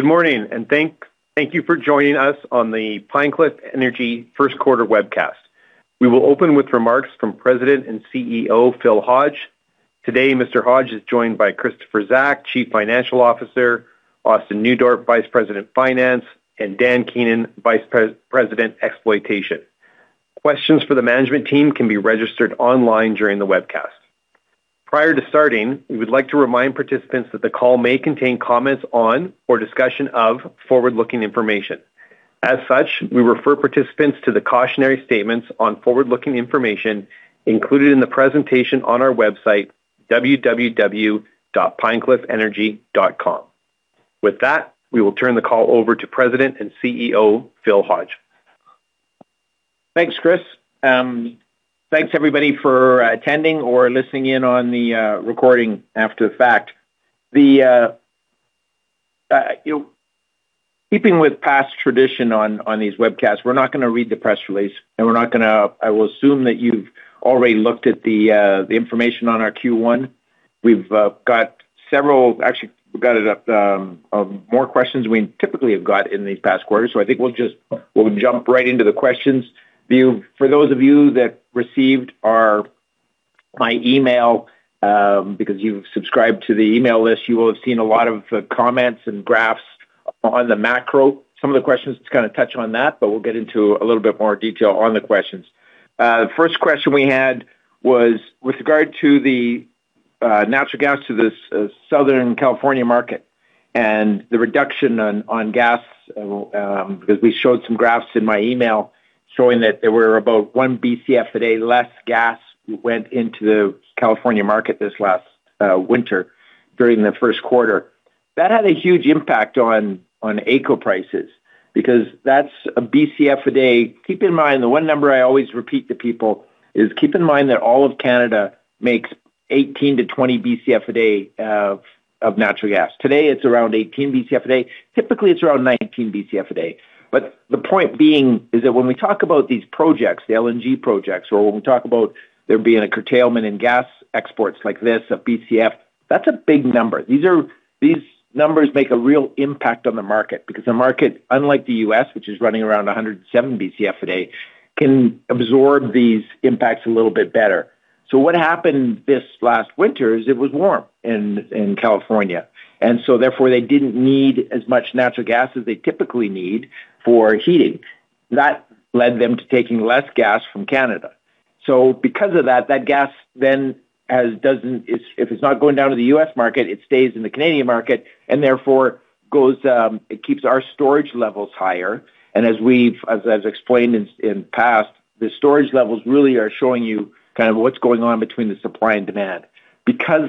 Good morning, and thank you for joining us on the Pine Cliff Energy first quarter webcast. We will open with remarks from President and CEO, Phil Hodge. Today, Mr. Hodge is joined by Kristopher Zack, Chief Financial Officer, Austin Nieuwdorp, Vice President, Finance, and Dan Keenan, Vice President, Exploitation. Questions for the management team can be registered online during the webcast. Prior to starting, we would like to remind participants that the call may contain comments on or discussion of forward-looking information. As such, we refer participants to the cautionary statements on forward-looking information included in the presentation on our website, www.pinecliffenergy.com. With that, we will turn the call over to President and CEO, Phil Hodge. Thanks, Chris. Thanks everybody for attending or listening in on the recording after the fact. You know, keeping with past tradition on these webcasts, we're not gonna read the press release. I will assume that you've already looked at the information on our Q1. Actually, we've got more questions we typically have got in these past quarters, so I think we'll just jump right into the questions. For those of you that received my email, because you've subscribed to the email list, you will have seen a lot of comments and graphs on the macro. Some of the questions kinda touch on that, but we'll get into a little bit more detail on the questions. The first question we had was with regard to the natural gas to the southern California market and the reduction on gas, because we showed some graphs in my email showing that there were about 1 BCF a day less gas went into the California market this last winter during the first quarter. That had a huge impact on AECO prices because that's a BCF a day. Keep in mind, the one number I always repeat to people is keep in mind that all of Canada makes 18 to 20 BCF a day of natural gas. Today, it's around 18 BCF a day. Typically, it's around 19 BCF a day. The point being is that when we talk about these projects, the LNG projects, or when we talk about there being a curtailment in gas exports like this, a BCF, that's a big number. These numbers make a real impact on the market because the market, unlike the U.S., which is running around 107 BCF a day, can absorb these impacts a little bit better. What happened this last winter is it was warm in California, therefore they didn't need as much natural gas as they typically need for heating. That led them to taking less gas from Canada. Because of that, if it's not going down to the U.S. market, it stays in the Canadian market, and therefore it keeps our storage levels higher. As I've explained in past, the storage levels really are showing you kind of what's going on between the supply and demand. Because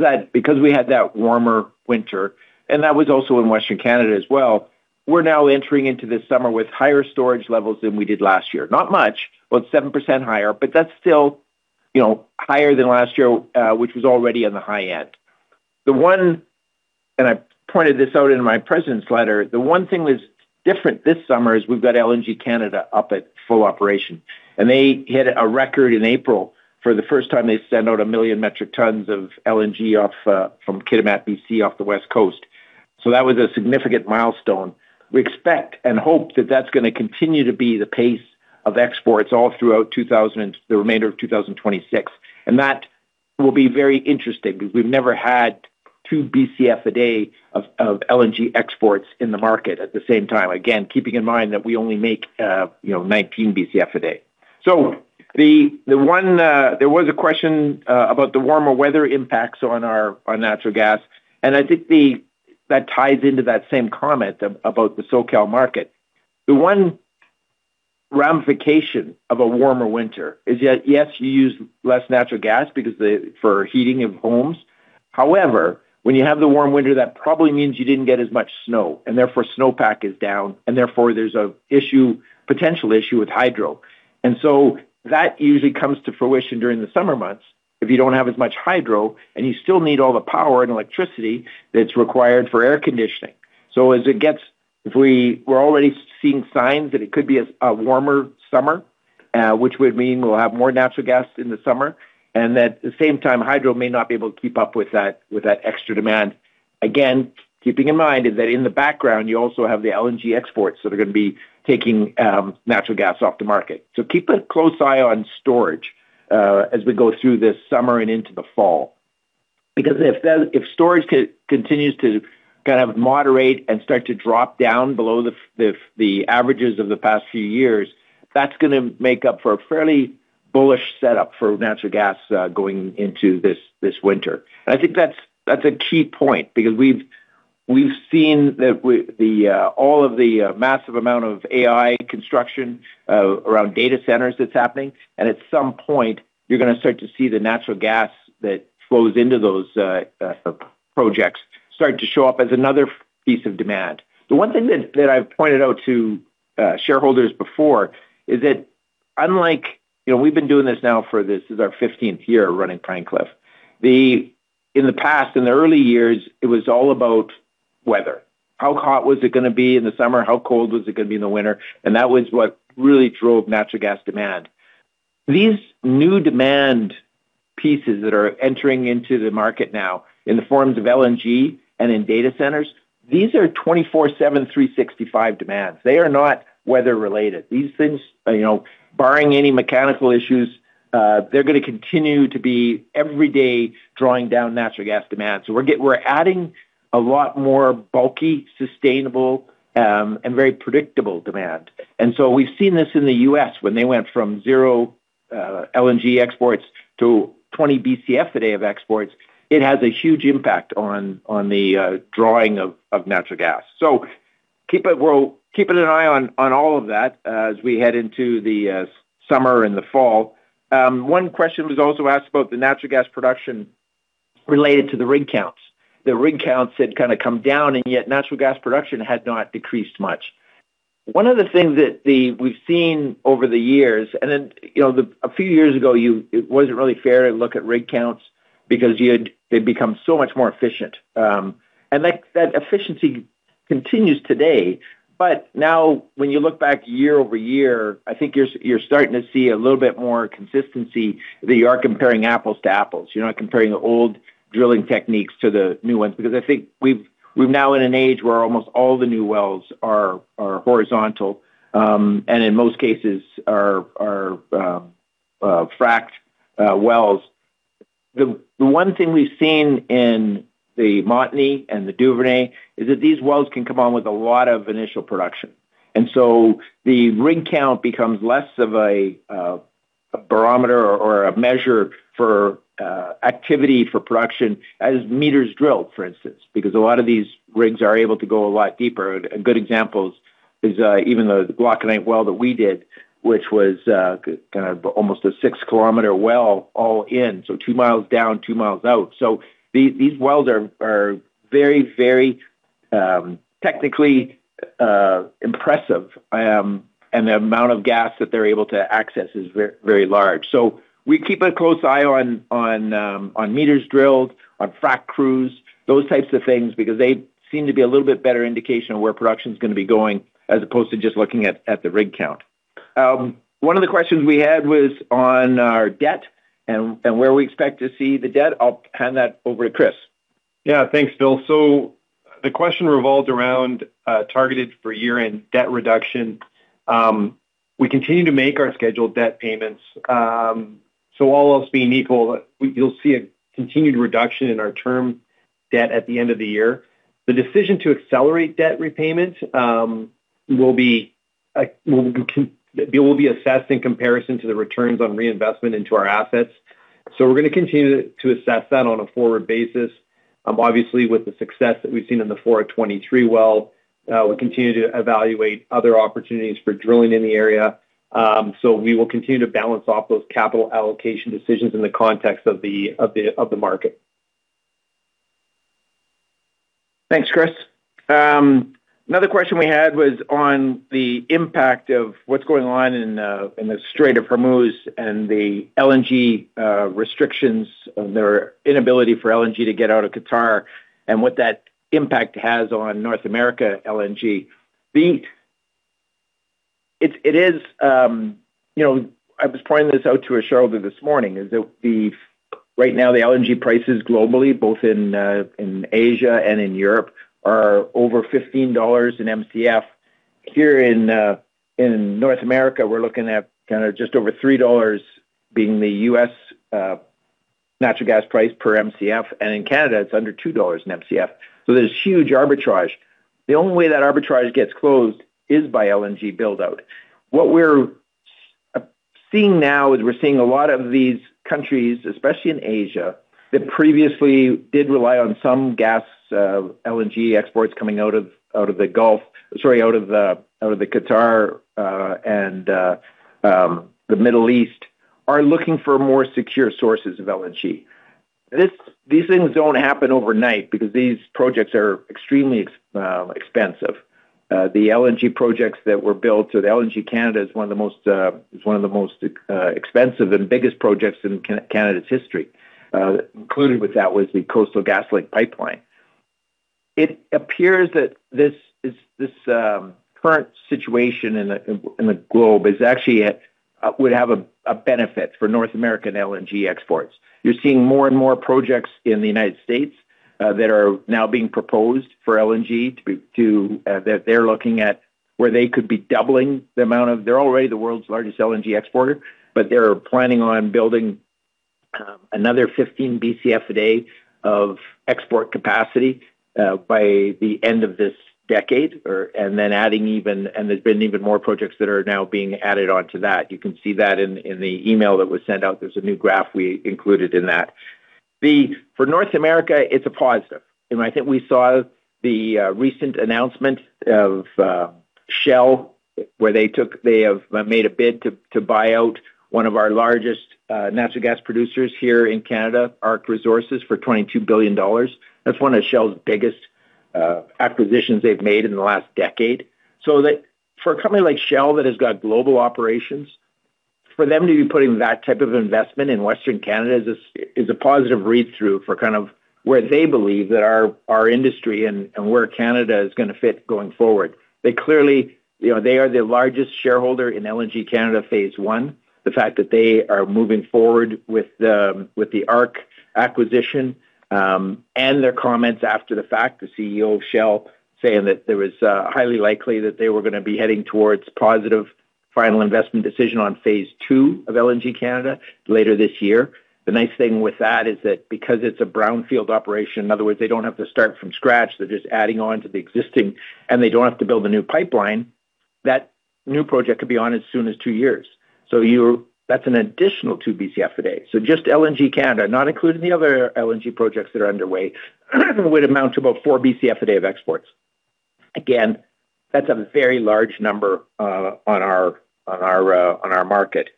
we had that warmer winter, and that was also in Western Canada as well, we're now entering into this summer with higher storage levels than we did last year. Not much, about 7% higher, but that's still, you know, higher than last year, which was already on the high end. I pointed this out in my president's letter, the one thing that's different this summer is we've got LNG Canada up at full operation, and they hit a record in April. For the first time, they sent out 1 million metric tons of LNG off from Kitimat, B.C., off the West Coast. That was a significant milestone. We expect and hope that that's gonna continue to be the pace of exports all throughout 2026. That will be very interesting because we've never had two BCF a day of LNG exports in the market at the same time. Again, keeping in mind that we only make, you know, 19 BCF a day. The one, there was a question about the warmer weather impacts on our natural gas, and I think that ties into that same comment about the SoCal market. The one ramification of a warmer winter is that, yes, you use less natural gas because for heating of homes. When you have the warm winter, that probably means you didn't get as much snow, and therefore snowpack is down, and therefore there's a issue, potential issue with hydro. That usually comes to fruition during the summer months if you don't have as much hydro, and you still need all the power and electricity that's required for air conditioning. We're already seeing signs that it could be a warmer summer, which would mean we'll have more natural gas in the summer, and at the same time, hydro may not be able to keep up with that extra demand. Again, keeping in mind is that in the background, you also have the LNG exports that are gonna be taking natural gas off the market. Keep a close eye on storage, as we go through this summer and into the fall. Because if that, if storage continues to kind of moderate and start to drop down below the averages of the past few years, that's gonna make up for a fairly bullish setup for natural gas going into this winter. I think that's a key point because we've seen that all of the massive amount of AI construction around data centers that's happening, and at some point, you're gonna start to see the natural gas that flows into those projects start to show up as another piece of demand. The one thing that I've pointed out to shareholders before is that unlike, you know, we've been doing this now for this is our 15th year running Pine Cliff. In the past, in the early years, it was all about weather. How hot was it gonna be in the summer? How cold was it gonna be in the winter? That was what really drove natural gas demand. These new demand pieces that are entering into the market now in the forms of LNG and in data centers, these are 24/7, 365 demands. They are not weather-related. These things, you know, barring any mechanical issues, they're gonna continue to be every day drawing down natural gas demand. We're adding a lot more bulky, sustainable, and very predictable demand. We've seen this in the U.S. when they went from zero LNG exports to 20 BCF a day of exports. It has a huge impact on the drawing of natural gas. We're keeping an eye on all of that as we head into the summer and the fall. One question was also asked about the natural gas production related to the rig counts. The rig counts had kinda come down, and yet natural gas production had not decreased much. One of the things that we've seen over the years, and then, you know, a few years ago, it wasn't really fair to look at rig counts because they'd become so much more efficient. That efficiency continues today. Now when you look back year-over-year, I think you're starting to see a little bit more consistency that you are comparing apples to apples. You're not comparing old drilling techniques to the new ones because I think we're now in an age where almost all the new wells are horizontal, and in most cases are fracked wells. The one thing we've seen in the Montney and the Duvernay is that these wells can come on with a lot of initial production. The rig count becomes less of a barometer or a measure for activity for production as meters drilled, for instance, because a lot of these rigs are able to go a lot deeper. A good example is even the Glauconite well that we did, which was almost a 6 km well all in, so 2 miles down, 2 miles out. These wells are very technically impressive. The amount of gas that they're able to access is very large. We keep a close eye on meters drilled, on frack crews, those types of things because they seem to be a little bit better indication of where production's gonna be going as opposed to just looking at the rig count. One of the questions we had was on our debt and where we expect to see the debt. I'll hand that over to Chris. Thanks, Phil. The question revolved around targeted for year-end debt reduction. We continue to make our scheduled debt payments. All else being equal, you'll see a continued reduction in our term debt at the end of the year. The decision to accelerate debt repayment will be assessed in comparison to the returns on reinvestment into our assets. We're going to continue to assess that on a forward basis. Obviously, with the success that we've seen in the 423 well, we continue to evaluate other opportunities for drilling in the area. We will continue to balance off those capital allocation decisions in the context of the market. Thanks, Kris. Another question we had was on the impact of what's going on in the Strait of Hormuz and the LNG restrictions of their inability for LNG to get out of Qatar and what that impact has on North America LNG. It is, you know I was pointing this out to Ashar earlier this morning, that right now, the LNG prices globally, both in Asia and in Europe, are over 15 dollars in MCF. Here in North America, we're looking at kinda just over $3 being the U.S. natural gas price per MCF, and in Canada, it's under 2 dollars in MCF. There's huge arbitrage. The only way that arbitrage gets closed is by LNG build-out. What we're seeing now is we're seeing a lot of these countries, especially in Asia, that previously did rely on some gas, LNG exports coming out of the Gulf, sorry, out of Qatar, and the Middle East are looking for more secure sources of LNG. These things don't happen overnight because these projects are extremely expensive. The LNG projects that were built, so LNG Canada is one of the most expensive and biggest projects in Canada's history. Included with that was the Coastal GasLink pipeline. It appears that this current situation in the globe is actually would have a benefit for North American LNG exports. You're seeing more and more projects in the U.S. that are now being proposed for LNG that they're looking at where they could be doubling the amount of. They're already the world's largest LNG exporter, but they're planning on building another 15 BCF a day of export capacity by the end of this decade. There's been even more projects that are now being added onto that. You can see that in the email that was sent out. There's a new graph we included in that. For North America, it's a positive. I think we saw the recent announcement of Shell, where they have made a bid to buy out one of our largest natural gas producers here in Canada, ARC Resources, for 22 billion dollars. That's one of Shell's biggest acquisitions they've made in the last decade. For a company like Shell that has got global operations, for them to be putting that type of investment in Western Canada is a positive read-through for kind of where they believe that our industry and where Canada is going to fit going forward. They clearly, you know, they are the largest shareholder in LNG Canada phase I. The fact that they are moving forward with the ARC acquisition and their comments after the fact, the CEO of Shell saying that there was highly likely that they were going to be heading towards positive final investment decision on phase II of LNG Canada later this year. The nice thing with that is that because it's a brownfield operation, in other words, they don't have to start from scratch, they're just adding on to the existing, and they don't have to build a new pipeline. That new project could be on as soon as two years. That's an additional 2 BCF a day. Just LNG Canada, not including the other LNG projects that are underway, would amount to about 4 BCF a day of exports. That's a very large number on our market.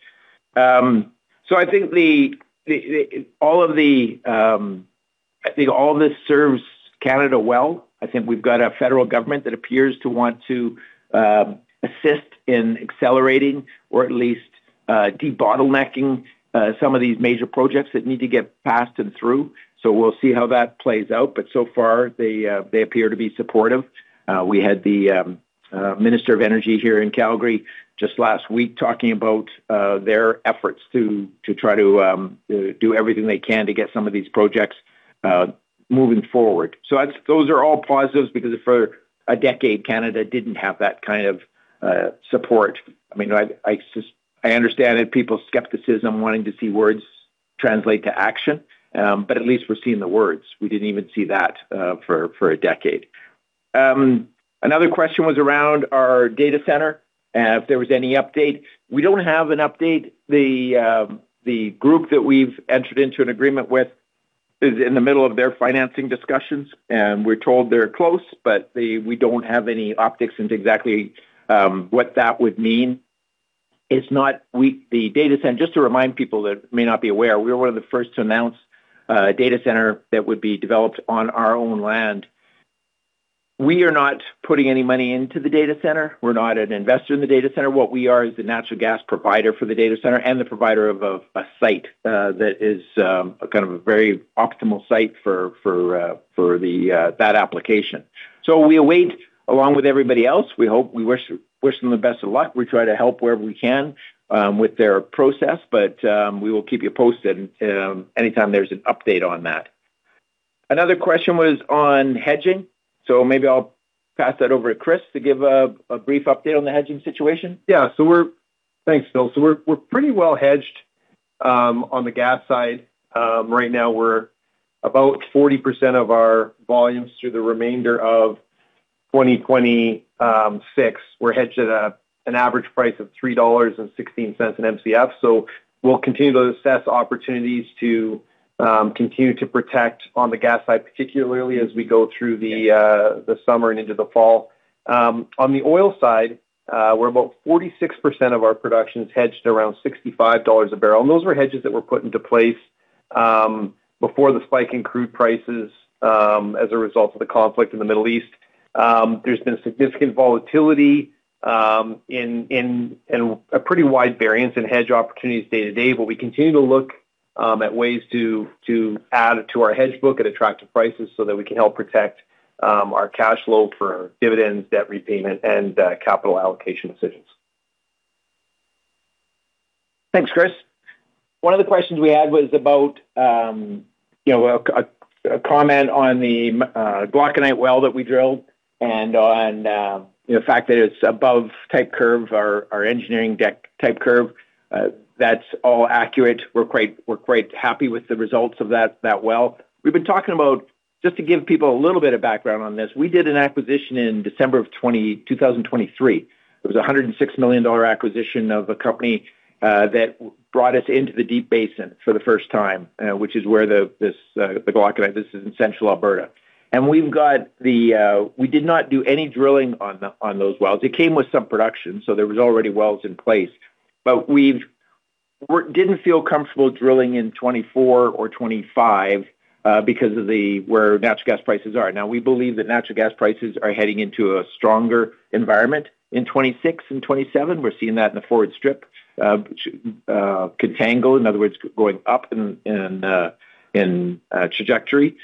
I think all this serves Canada well. I think we've got a Federal Government that appears to want to assist in accelerating or at least de-bottlenecking some of these major projects that need to get passed and through. We'll see how that plays out. So far they appear to be supportive. We had the minister of energy here in Calgary just last week talking about their efforts to try to do everything they can to get some of these projects moving forward. Those are all positives because for a decade, Canada didn't have that kind of support. I mean, I understand that people's skepticism wanting to see words translate to action, but at least we're seeing the words. We didn't even see that for a decade. Another question was around our data center and if there was any update. We don't have an update. The group that we've entered into an agreement with is in the middle of their financing discussions, and we're told they're close, but we don't have any optics into exactly what that would mean. It's not the data center, just to remind people that may not be aware, we were one of the first to announce a data center that would be developed on our own land. We are not putting any money into the data center. We're not an investor in the data center. What we are is the natural gas provider for the data center and the provider of a site that is a kind of a very optimal site for that application. We await along with everybody else. We hope. We wish them the best of luck. We try to help wherever we can with their process. We will keep you posted, anytime there's an update on that. Another question was on hedging, so maybe I'll pass that over to Kris to give a brief update on the hedging situation. Yeah. Thanks, Phil. We're pretty well hedged on the gas side. Right now we're about 40% of our volumes through the remainder of 2026. We're hedged at an average price of 3.16 dollars an MCF. So, we'll continue to assess opportunities to continue to protect on the gas side, particularly as we go through the summer and into the fall. On the oil side, we're about 46% of our production is hedged around 65 dollars a barrel. Those were hedges that were put into place before the spike in crude prices as a result of the conflict in the Middle East. There's been significant volatility in a pretty wide variance in hedge opportunities day to day. We continue to look at ways to add to our hedge book at attractive prices so that we can help protect our cash flow for dividends, debt repayment, and capital allocation decisions. Thanks, Kris. One of the questions we had was about, you know, a comment on the Glauconite well that we drilled and on, you know, the fact that it's above type curve, our engineering deck type curve. That's all accurate. We're quite happy with the results of that well. We've been talk about, just to give people a little bit of background on this, we did an acquisition in December of 2023. It was a 106 million dollar acquisition of a company that brought us into the Deep Basin for the first time, which is where this Glauconite. This is in Central Alberta. We did not do any drilling on those wells. It came with some production, there was already wells in place. We didn't feel comfortable drilling in 2024 or 2025 because of where natural gas prices are. We believe that natural gas prices are heading into a stronger environment in 2026 and 2027. We're seeing that in the forward strip, contango, in other words, going up in trajectory.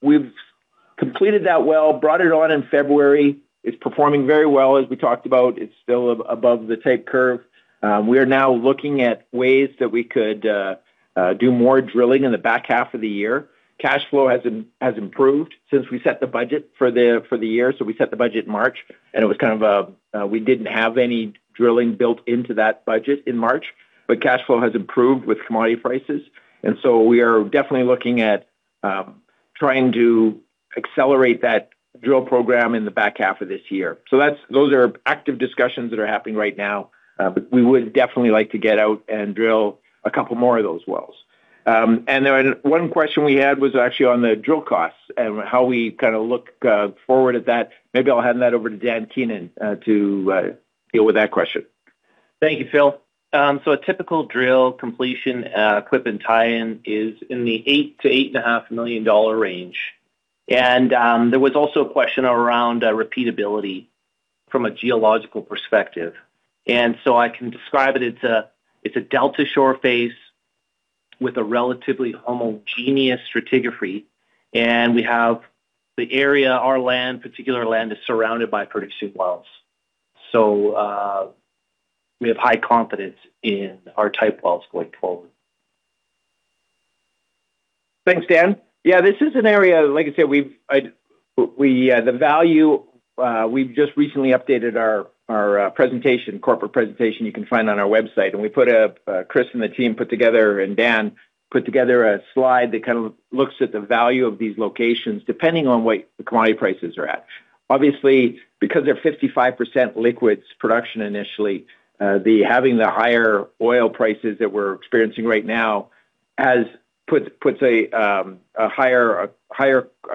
We've completed that well, brought it on in February. It's performing very well, as we talked about. It's still above the type curve. We are now looking at ways that we could do more drilling in the back half of the year. Cash flow has improved since we set the budget for the year. We set the budget in March, and it was kind of a, we didn't have any drilling built into that budget in March. Cash flow has improved with commodity prices. We are definitely looking at trying to accelerate that drill program in the back half of this year. Those are active discussions that are happening right now. We would definitely like to get out and drill a couple more of those wells. One question we had was actually on the drill costs and how we kinda look forward at that. Maybe I'll hand that over to Dan Keenan to deal with that question. Thank you, Phil. A typical drill completion, equipment tie-in is in the 8 million dollar to 8.5 million range. There was also a question around repeatability from a geological perspective. I can describe it. It's a delta shoreface with a relatively homogeneous stratigraphy. We have the area, our land, particular land is surrounded by producing wells. We have high confidence in our type wells going forward. Thanks, Dan. This is an area, like I said, the value, we've just recently updated our corporate presentation you can find on our website. We put a, Chris and the team put together, and Dan put together a slide that kind of looks at the value of these locations depending on what the commodity prices are at. Obviously, because they're 55% liquids production initially, the having the higher oil prices that we're experiencing right now puts a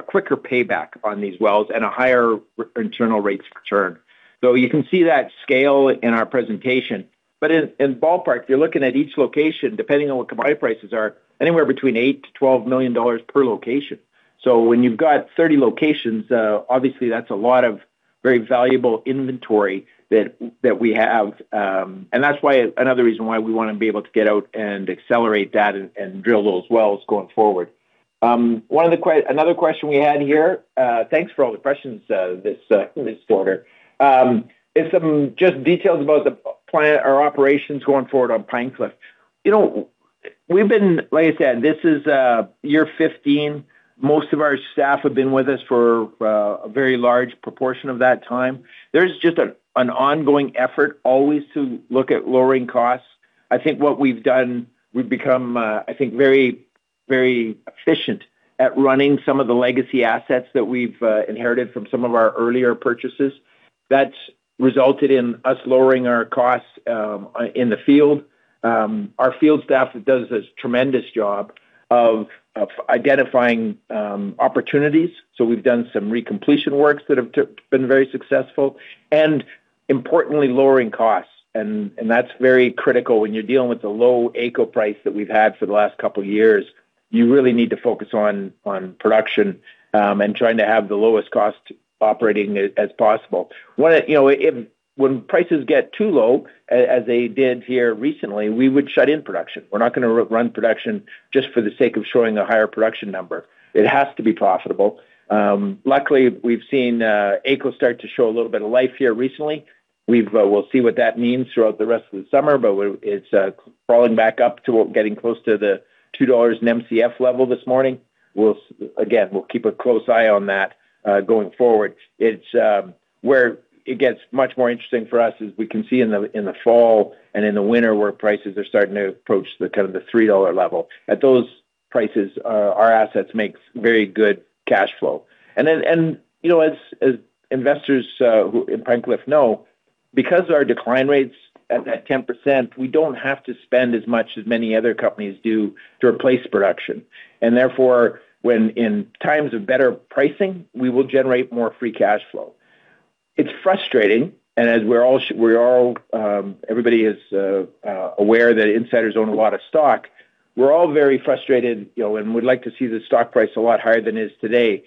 quicker payback on these wells and a higher internal rates of return. You can see that scale in our presentation. In ballpark, you're looking at each location, depending on what commodity prices are, anywhere between 8 million-12 million dollars per location. When you've got 30 locations, obviously that's a lot of very valuable inventory that we have. That's why another reason why we wanna be able to get out and accelerate that and drill those wells going forward. Another question we had here, thanks for all the questions this quarter. Is some just details about the our operations going forward on Pine Cliff. You know, we've been like I said, this is year 15. Most of our staff have been with us for a very large proportion of that time. There's just an ongoing effort always to look at lowering costs. I think what we've done, we've become, I think very, very efficient at running some of the legacy assets that we've inherited from some of our earlier purchases. That's resulted in us lowering our costs in the field. Our field staff does a tremendous job of identifying opportunities. We've done some recompletion works that have been very successful, and importantly, lowering costs and that's very critical when you're dealing with the low AECO price that we've had for the last couple of years. You really need to focus on production and trying to have the lowest cost operating as possible. You know, when prices get too low, as they did here recently, we would shut in production. We're not gonna run production just for the sake of showing a higher production number. It has to be profitable. Luckily, we've seen AECO start to show a little bit of life here recently. We've, we'll see what that means throughout the rest of the summer, but it's crawling back up to getting close to the 2 dollars in MCF level this morning. Again, we'll keep a close eye on that going forward. It's where it gets much more interesting for us is we can see in the, in the fall and in the winter where prices are starting to approach the kind of the 3 dollar level. At those prices, our assets makes very good cash flow. You know, as investors who and Pine Cliff know, because our decline rates at that 10%, we don't have to spend as much as many other companies do to replace production. Therefore, when in times of better pricing, we will generate more free cash flow. It's frustrating, as we're all, everybody is aware that insiders own a lot of stock. We're all very frustrated, you know, we'd like to see the stock price a lot higher than it is today.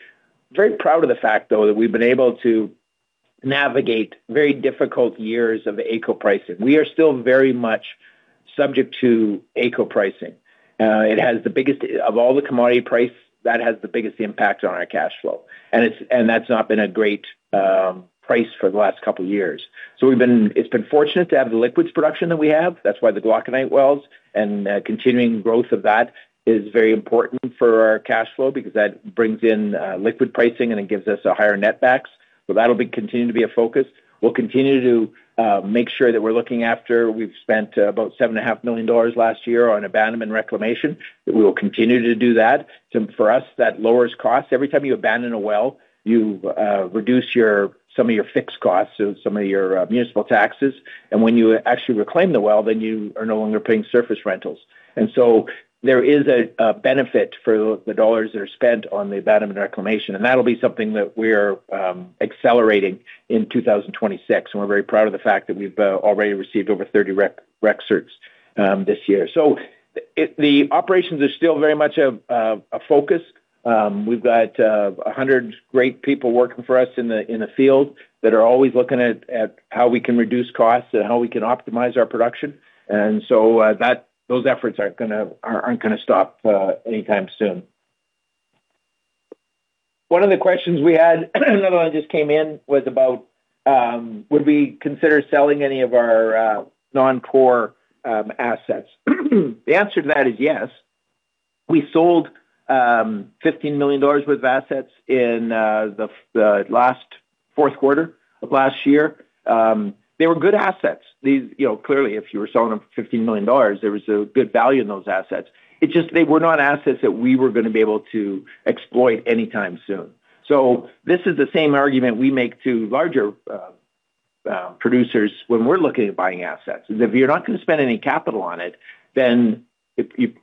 Very proud of the fact, though, that we've been able to navigate very difficult years of AECO pricing. We are still very much subject to AECO pricing. Of all the commodity price, that has the biggest impact on our cash flow. That's not been a great price for the last couple of years. It's been fortunate to have the liquids production that we have. That's why the Glauconite wells and continuing growth of that is very important for our cash flow because that brings in liquid pricing, and it gives us a higher netbacks. That'll continue to be a focus. We'll continue to make sure that we're looking after. We've spent about seven and a half million dollars last year on abandonment reclamation, that we will continue to do that. For us, that lowers costs. Every time you abandon a well, you reduce some of your fixed costs, so some of your municipal taxes. When you actually reclaim the well, you are no longer paying surface rentals. There is a benefit for the dollars that are spent on the abandonment reclamation, and that'll be something that we're accelerating in 2026. We're very proud of the fact that we've already received over 30 rec certs this year. The operations are still very much a focus. We've got 100 great people working for us in the field that are always looking at how we can reduce costs and how we can optimize our production. Those efforts aren't gonna stop anytime soon. One of the questions we had, another one just came in, was about, would we consider selling any of our non-core assets? The answer to that is yes. We sold 15 million dollars worth of assets in the last fourth quarter of last year. They were good assets. These, you know, clearly, if you were selling them for 15 million dollars, there was a good value in those assets. It's just they were not assets that we were gonna be able to exploit anytime soon. This is the same argument we make to larger producers when we're looking at buying assets, is if you're not gonna spend any capital on it,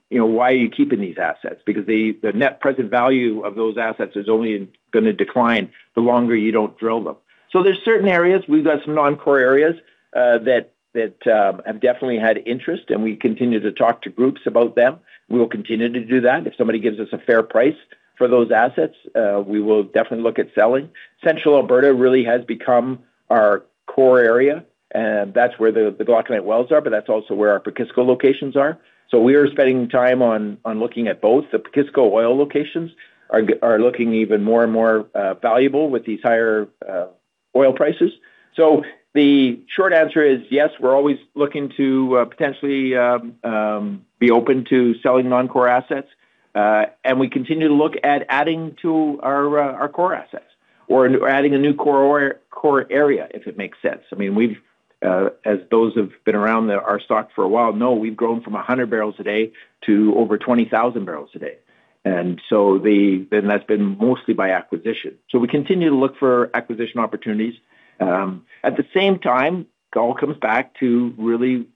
Why are you keeping these assets? Because the net present value of those assets is only gonna decline the longer you don't drill them. There's certain areas, we've got some non-core areas that have definitely had interest, and we continue to talk to groups about them. We will continue to do that. If somebody gives us a fair price for those assets, we will definitely look at selling. Central Alberta really has become our core area, and that's where the Glauconite wells are, but that's also where our Pekisko locations are. We are spending time on looking at both. The Pekisko oil locations are looking even more and more valuable with these higher oil prices. The short answer is yes, we're always looking to potentially be open to selling non-core assets, and we continue to look at adding to our core assets or adding a new core area, if it makes sense. I mean, we've, as those who've been around our stock for a while know, we've grown from 100 barrels a day to over 20,000 barrels a day. That's been mostly by acquisition. We continue to look for acquisition opportunities. At the same time, it all comes back to really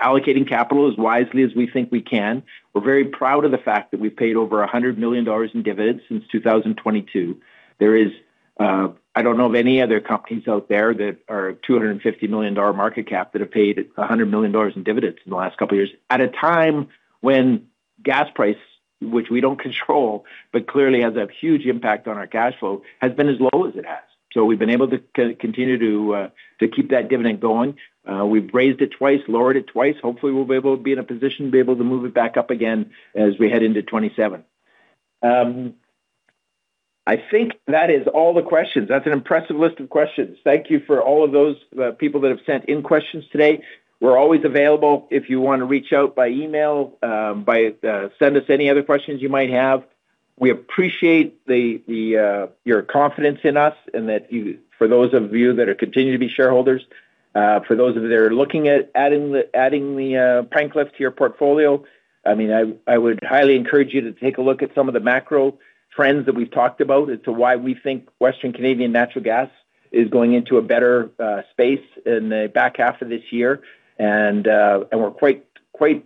allocating capital as wisely as we think we can. We're very proud of the fact that we've paid over 100 million dollars in dividends since 2022. There is, I don't know of any other companies out there that are 250 million dollar market cap that have paid 100 million dollars in dividends in the last couple of years, at a time when gas price, which we don't control, but clearly has a huge impact on our cash flow, has been as low as it has. We've been able to continue to keep that dividend going. We've raised it twice, lowered it twice. Hopefully, we'll be able to be in a position to be able to move it back up again as we head into 2027. I think that is all the questions. That's an impressive list of questions. Thank you for all of those people that have sent in questions today. We're always available if you wanna reach out by email, by send us any other questions you might have. We appreciate the your confidence in us and for those of you that are continuing to be shareholders, for those of you that are looking at adding the Pine Cliff to your portfolio, I mean, I would highly encourage you to take a look at some of the macro trends that we've talked about as to why we think Western Canadian Natural Gas is going into a better space in the back half of this year. We're quite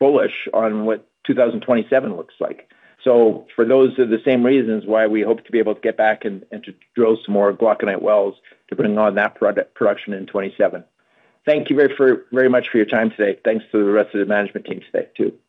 bullish on what 2027 looks like. For those of the same reasons why we hope to be able to get back and to drill some more Glauconite wells to bring on that production in 2027. Thank you very much for your time today. Thanks to the rest of the management team today, too. Bye.